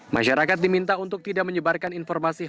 masyarakat diminta untuk tidak menyebarkan informasi